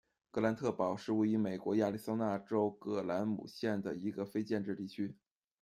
格兰特堡是位于美国亚利桑那州葛兰姆县的一个非建制地区。